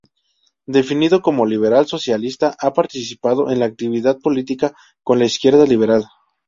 Definido como liberal-socialista, ha participado en la actividad política con la izquierda liberal.